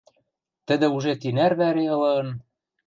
Тӹдӹ уже тинӓр вӓре ылын!